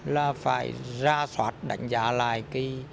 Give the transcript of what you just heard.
là phải ra soát đánh giá lại cái